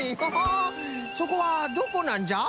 そこはどこなんじゃ？